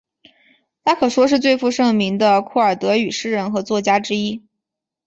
她可说是最负盛名的库尔德语诗人和作家之一。